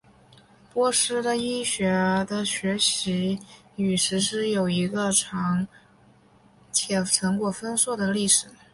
波斯的医学的学习与实施有一个长且成果丰硕的历史。